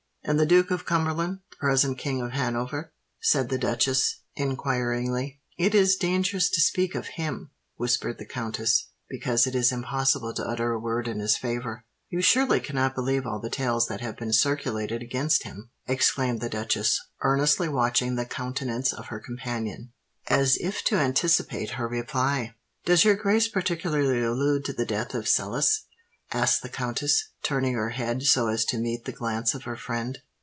"And the Duke of Cumberland—the present King of Hanover?" said the duchess inquiringly. "It is dangerous to speak of him," whispered the countess; "because it is impossible to utter a word in his favour." "You surely cannot believe all the tales that have been circulated against him?" exclaimed the duchess, earnestly watching the countenance of her companion, as if to anticipate her reply. "Does your grace particularly allude to the death of Sellis?" asked the countess, turning her head so as to meet the glance of her friend.